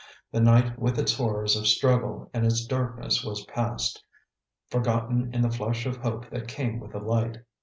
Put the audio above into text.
The night with its horrors of struggle and its darkness was past, forgotten in the flush of hope that came with the light.